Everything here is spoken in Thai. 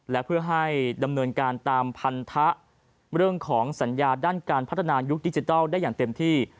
และเพื่อให้ดำเนินการตามพันธะเรื่องของสัญญาด้านการพัฒนายุคดิจิทัลได้อย่างเต็มที่